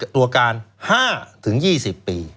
ตัวการ๕ถึง๒๐ปี